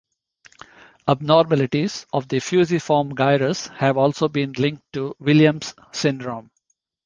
Abnormalities of the fusiform gyrus have also been linked to Williams syndrome.